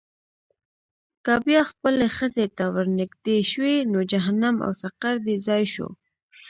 که بیا خپلې ښځې ته ورنېږدې شوې، نو جهنم او سقر دې ځای شو.